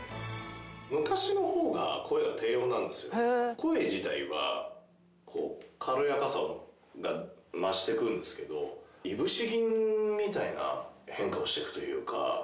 声自体はこう軽やかさが増していくんですけどいぶし銀みたいな変化をしていくというか。